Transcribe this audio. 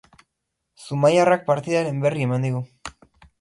Zumaiarrak partidaren berri eman digu.